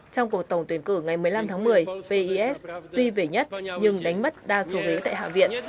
trong cuộc tổng tuyển cử ngày một mươi năm tháng một mươi pes tuy về nhất nhưng đánh mất đa số ghế tại hạ viện